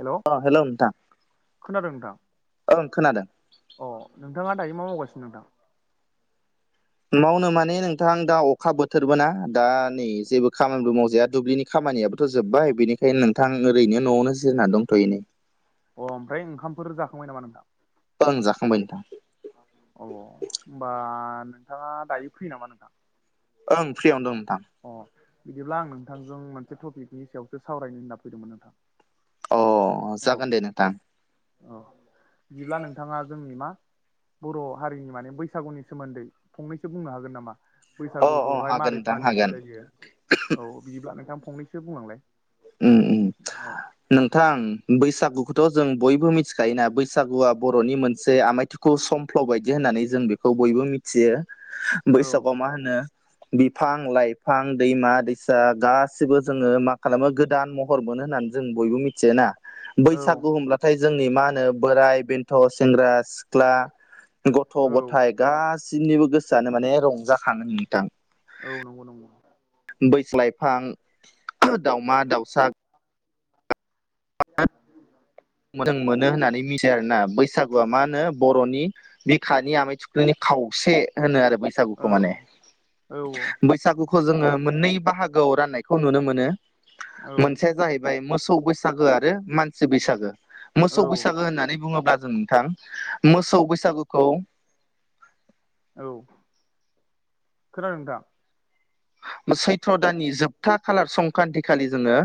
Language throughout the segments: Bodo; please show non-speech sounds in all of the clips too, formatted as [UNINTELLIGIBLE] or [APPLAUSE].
हेल' अ नोंथां खोना अ ओं खोनादों नोंथाङा दायो मा मावगासिनो नोंथां? मावनो माने नोंथां दा अखा बोथोरबो ना। दा नै जेबो खामानिबो मावजाया दुब्लिनि खामानियाबोथ' जोब्बाय बेनिखायनो नोंथां ओरैनो न'आवनो जिरना दंथ'यो नै। अ ओमफ्राय ओंखामफोर जाखांबाय नामा नोंथां? ओं जाखांबाय नोंथां। अ होनबा नों नोंथाङा दायो फैयो नामा नोंथां? ओं फ्रियावनो दं नोंथां अ बिदिब्ला आं नोंथांजों मोनसे टपिकनि सायावसो सावरायनो होनना फैदोंमोन नोंथां। अ औ जागोन दे नोंथां। औ बिदिब्ला नोंथाङा जोंनि मा बर' हारिनि माने बैसागुनि सोमोन्दै फंनैसो बुंनो हागोन नामा? अ अ बैसागुखौहाय हागोन मारोरै नोंथां फालिनाय हागोन जायो। औ बिदिब्ला नोंथां फंनैसो बुंलांलाय। उम उम। औ नोंथां बैसागुखौथ' जों बयबो मिथिखायोना। बैसागुआ बर'नि मोनसे आमायथु कौ समफ्ल' बायदि होननानै जों बेखौ बयबो मिथियो औ बैसागुआव मा होनो बिफां लाइफां दैमा दैसा गासिबो जोङो मा खालामो गो दान महर मोनो होननानै जों बयबो मिथियो ना औ बैसागु होमब्लाथाय जोंनि मा होनो बोराय बेन्थ', सेंग्रा सिख्ला, गथ' औ गथाइ गासिनिबो गोसोआनो माने रंजाखाङो नोंथां। औ नंगौ नंगौ। बैस लाइफां दाउमा दाउसा [INAUDIBLE] मोजां मोनो होननानै मिथियो आरो ना बैसागुआ मा होनो बर'नि बिखानि आमाय थुख्लुनि खावसे होनो आरो औ बैसागुखौ औ माने। औ बैसागुखौ जोङो मोननै बाहागोआव राननायखौ नुनो मोनो। औ मोनसेया जाहै बाय मोसौ बैसागो आरो मानसि बैसागो मोसौ बैसा सागो होननानै बुङोब्ला जों नोंथां मोसौ बैसागुखौ औ खोनादों नोंथां। सैथ्र' दाननि जोब था खालार संक्रान्ति खालि जोङो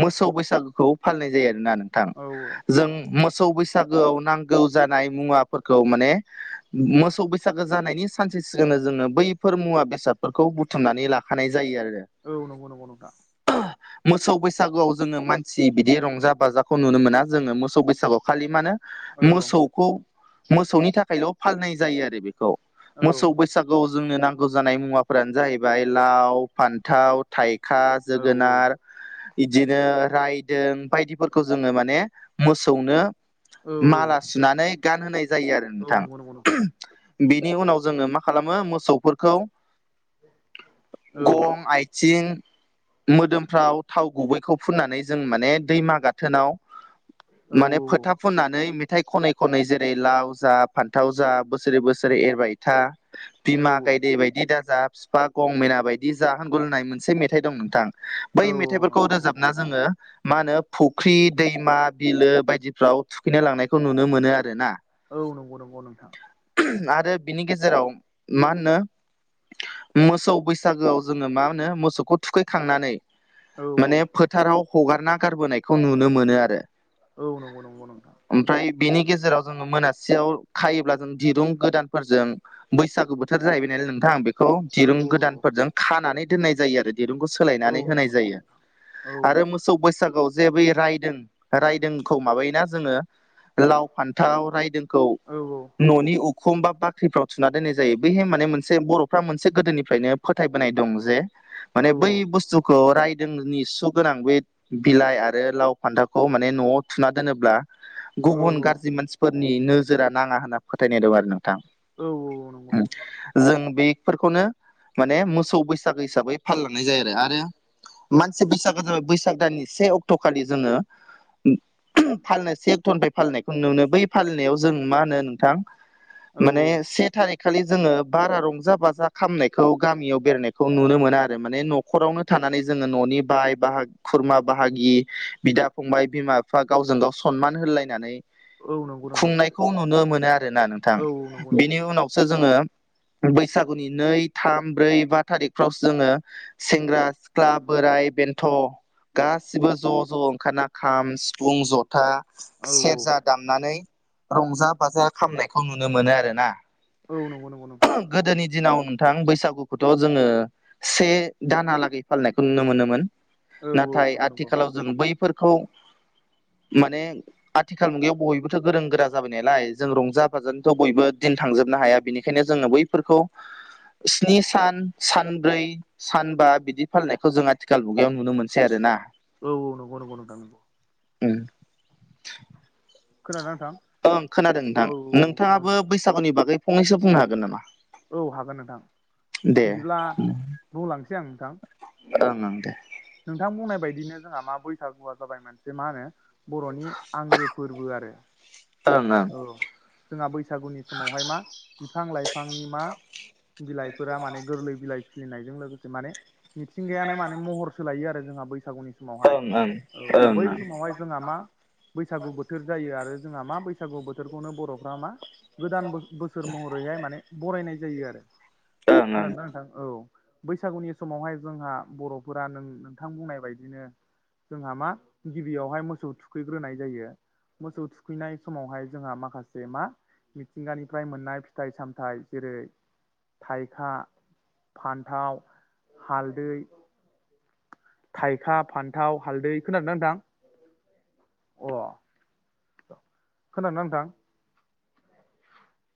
मोसौ बैसागुखौ फालिनाय जायो आरोना नोंथां। औ जों मोसौ बैसागोआव नांगौ जानाय मुवाफोरखौ माने मोसौ बैसागो जानायनि सानसे सिगांनो जोङो बैफोर मुवा बेसादफोरखौ बुथुमनानै ला खानाय जायो आरो। औ नंगौ नंगौ नोंथां। मोसौ बैसागोआव जोङो मानसि बिदि रंजा बाजाखौ नुनो मोना जोङो मोसौ बैसागोआव खालि मानो औ मोसौखौ मोसौनि थाखायल' फालिनाय जायो आरो बेखौ। औ मोसौ बैसागुआव जोंनो नांगौ जानाय मुवाफोरानो जाहैबाय लाव फान्थाव थाइखा औ जोगोनार इदिनो रायदों बायदिफोरखौ जोङो माने मोसौनो औ माला सुनानै गानहोनाय जायो आरो औ नोंथां। नंगौ नंगौ नोंथां बेनि उनाव जोङो मा खालामो मोसौफोरखौ औ गं आइथिं मोदोमफ्राव थाव गुबैखौ फुननानै जों माने दैमा गाथोनाव औ माने फोथा फुननानै मेथाइ खनै खनै जेरै लाव जा फान्थाव जा बोसोरै बोसोरै एरबाय था औ बिमा गायदे बायदि दाजा फिपा गंमेना बायदि जा होनगुर लायनाय मोनसे मेथाइ दं नोंथां औ बै मे नंगौ थाइफोरखौ नंगौ रोजाबना जोङो मा होनो फुख्रि दैमा बिलो बायदिफ्राव थुखैनो लांनायखौ नुनो मोनो आरो ना। औ नंगौ नंगौ नोंथां। आरो बिनि गेजेराव मा होनो मोसौ बैसागोआव जोङो मा होनो मोसौखौ थुखैखांनानै औ औ माने फो थाराव हगारना गारबोनायखौ नुनो मोनो आरो। औ नंगौ नंगौ नोंथां। ओमफ्राय बेनि गेजेराव जोङो मोनासियाव खायोब्ला जों दिरुं गोदान फोरजों बैसागु बोथोर जाहैबाय नालाय नोंथां बेखौ औ दिरुं औ गोदानफोरजों खानानै दोननाय जायो आरो दिरुंखौ औ सोलायनानै होनाय नंगौ नंगौ जायो नोंथां औ औ आरो मो सौ बैसागुआव जे बै रायदों रायदोंखौ माबायोना जोङो लाव फान्थाव रायदोंखौ औ औ न'नि उखुम बा बाख्रिफ्राव थुना दोननाय जायो बैहाय माने मोनसे बर'फ्रा मो से गोदोनिफ्रायनो फोथायबोनाय दं जे औ माने बै बुस्थु खौ रायदोंनि सु गोनां बे बिलाइ आरो लाव फान्थावखौ माने न'आव थुना दोनोब्ला गुबुन औ गाज्रि मानसिफोर नि नोजोरा नाङा होनना फोथायनाय दं आरो नोंथां औ औ जों बे फोरखौनो माने मोसौ बैसागो हिसाबै फालिलांनाय जायो आरो आरो मानसि बैसागो जाबाय बैसाग दाननि से अक्ट'खालि जोङो फालिनाय से एक्ट'निफ्राय फालिनायखौ नुनो मोनो बै फालिनायाव जों मा होनो नोंथां औ माने से थारिख खालि जोङो बारा रंजा बा खामनायखौ गामियाव बेरायनायखौ नुनो मोना आरो माने न'खरावनो थानानै जोङो न'नि बाय बाहा खुरमा बाहागि बिदा फंबाय बिमा बिफा गावजों गाव सनमान होलायनानै औ नंगौ नोंथां खुंनायखौ नुनो मोनो आरोना नोंथां औ नंगौ नंगौ बेनि उनाव सो जोङो बैसागुनि नै थाम ब्रै बा थारिखफ्रावसो जोङो सेंग्रा सिख्ला बोराय बेन्थ' गासिबो ज' ज' ओंखारना खाम, सिफुं, जथा, औ सेरजा दामनानै रंजा बाजा खामनायखौ नुनो मोनो आरो ना। औ नंगौ नंगौ नंथा गोदोनि दिनाव नोंथां बैसागुखौथ' जोङो से दानालागै फालिनायखौ नुनो मोनोमोन औ नाथाय आथिखालाव जों बैफोरखौ माने आथिखाल मुगायाव बयबो थ गोरों गोरा जाबाय नालाय जों रंजा बाजानोथ' बयबो दिन थांजोबनो हाया बेनिखायनो जोङो बै फोरखौ स्नि सान सानब्रै सानबा बिदि फालिनायखौ जोंहा आथि सिखाल बुगायाव नुनो मोनसै आरो ना औ औ औ नंगौ नंगौ नां नंगौ उम खोनादों नांथां? ओं खोनादों नोंथां नोंथाङाबो बैसागुनि बागै फंनैसो बुंनो हागोन नामा? औ हागोन नोंथां दे बिदिब्ला बुंलांसै आं नोंथां। ओं ओं दे नोंथां बुंनाय बायदिनो जोंहा मा बैसागुआ जाबाय मोनानसे मा होनो बर'नि आंगो फोरबो आरो ओं ओं औ जोंहा बैसागुनि समावहाय मा बिफां लाइफांनि मा बिलाइफोरा माने गोरलै बिलाइ खिलिनायजों लोगोसे माने मिथिंगायानो माने महरसो लायो आरो जोंहा बैसागुनि समावहाय ओं ओं औ बै ओं समावहाय जोंहा मा बैसागु बोथोर जायो आरो जोंहा मा बैसागु बोथोरखौनो बर'फ्रा मा गोदान बोसोर महरैहाय माने बरायनाय जायो आरो ओं ओं खोनादोंना नोंथां? औ बैसागुनि समावहाय जोंहा बर'फोरा नों नोंथां बुंनाय बायदिनो जोंहा मा गिबियावहाय मोसौ थुखैग्रोनाय जायो मोसौ थुखैनाय समावहाय जोंहा माखासे मा मिथिंगानिफ्राय मोननाय फिथाइ सामथाइ जेरै थाइखा फान्थाव, हालदै थाइखा, फान्थाव, हालदै खोनादोंना नोंथां आ खोनादों नोंथां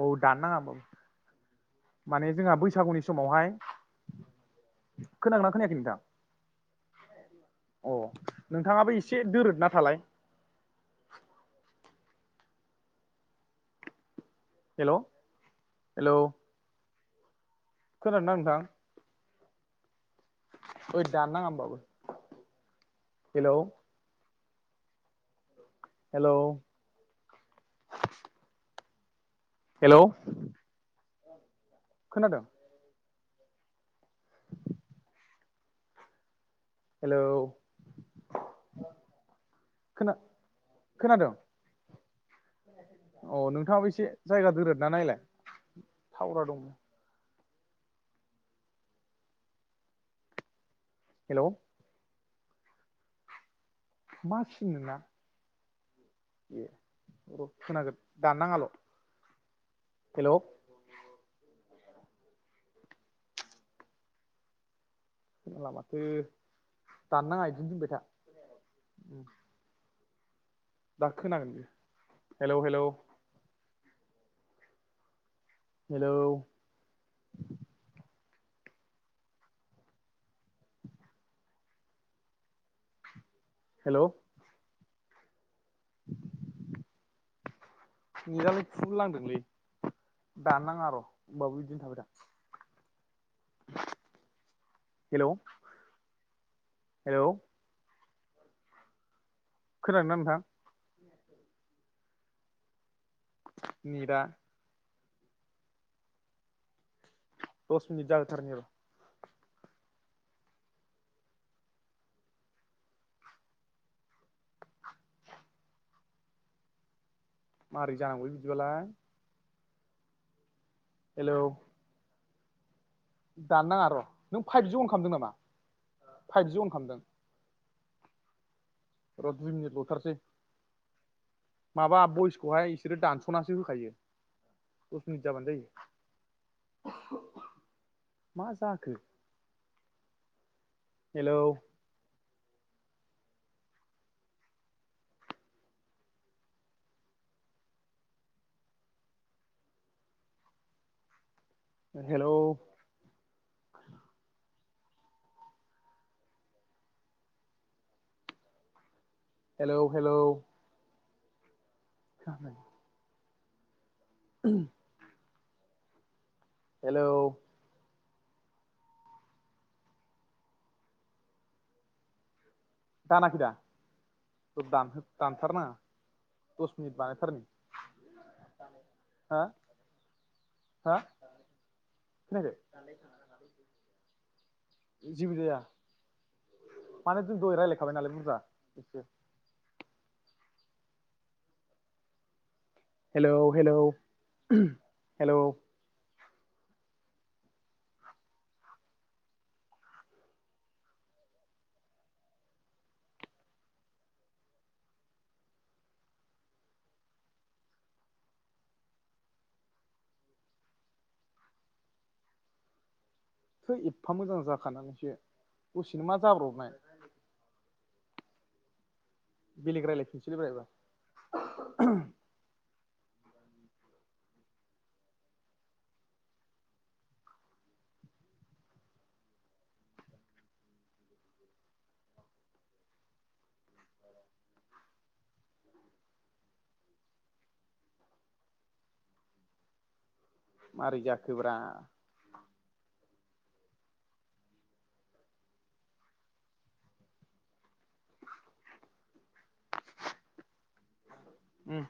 औ दान नाङाा माने जोंहा बैसागुनि समावहाय खोनांदोंना खोनायाखै नोंथां? अ नोंथाङाबो एसे दोरोद न थालाय हेल' हेल' खोनादोंना नोंथां? [UNINTELLIGIBLE] हेल' हेल' खोनादों? हेल' खोन- खोनादों अह नोंथाङाबो एसे जायगा दोरोदना नायलाय थावरा दं। हेल' मा सिम नोंना? ए र' खोनागोन दाननाङाल'। हेल'? खोनाला माथो दाननाङा बिदिनो दोनबाय था। दा खोनागोन बेयो हेलौ हेलौ। हेलौ हेल'? [INAUDIBLE] नेदालाय फुल नांदोंलै दाननाङा र' होमबाबो बिदिनो थाबाय थायो। हेल' हेल'? खोनादोंना नोंथां? नेटा। दस मिनिट जाहो थारनिर'। [INAUDIBLE] माबोरै जानांगौ बिदिबालाय। हेलौ? दान नाङा र' नों फाइभजि अन खालामदों नामा फाइभजि अन खालामदों? र' दुइ मिनिट ल'थारसै। माबा बयसखौहाय इसोरो दानस'नासो होखायो। दस मिनिट जाबानो जायो। मा जाखो hello? Hello? Hello hello? [INAUDIBLE] [INAUDIBLE] Hello? दानाखैदा? र दान-दानथारनाङा दस मिनिट बानायथारनि। हो हो खोनायाखै? जिबि जाया मानो जों दह रायलायखाबाय नालाय बुरजा एसे। Hello hello hello? हो एफा मोजां जाखानानैसो दसेनो मा जाब्रबनाय? बेलेग रायलायफिनसैलै रायबा। मारै जाखोब्रा? उम।